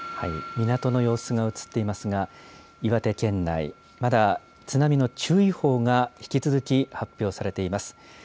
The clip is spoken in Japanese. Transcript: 港の様子が写っていますが、岩手県内、まだ津波の注意報が引き続き発表されています。